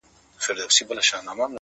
د يوسفي ښکلا چيرمنې نوره مه راگوره ـ